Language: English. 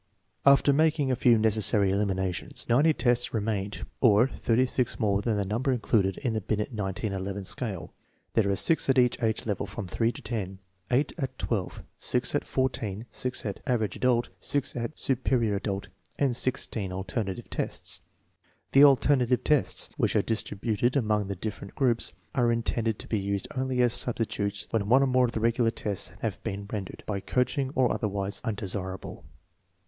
After making a few necessary eliminations, 90 tests re mained, or 36 more than the number included in the Binet 1911 scale. There are 6 at each age level from 3 to 10, 8 at 12, 6 at 14, 6 at " average adult," 6 at " superior adult," and 16 alternative tests. The alternative tests, which are distributed among the different groups, are intended to be used only as substitutes when one or more of the regular tests have been rendered, by coaching or otherwise, un desirable.